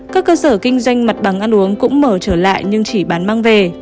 các cơ sở kinh doanh mặt bằng ăn uống cũng mở trở lại nhưng chỉ bán mang về